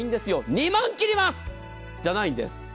２万円を切りますじゃないんです。